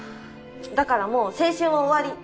だからもう青春は終わり！